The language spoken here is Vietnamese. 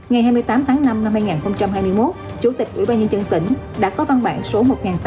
ngày hai mươi tám tháng năm năm hai nghìn hai mươi một chủ tịch ủy ban nhân dân tỉnh đã có văn bản số một nghìn tám trăm